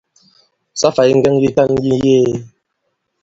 Sa fày ŋgɛŋ yitan yi ŋ̀yee.